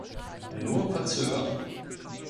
Nur verzögern.